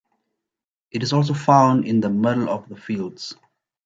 It is also found in the middle of the fields.